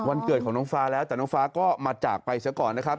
เกิดของน้องฟ้าแล้วแต่น้องฟ้าก็มาจากไปซะก่อนนะครับ